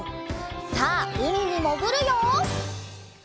さあうみにもぐるよ！